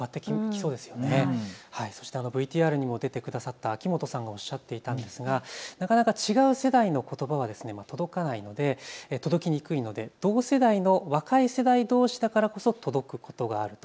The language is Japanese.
ＶＴＲにも出てくださった秋本さんがおっしゃっていたんですがなかなか違う世代のことばは届きにくいので同世代の若い世代どうしだからこそ届くことがあると。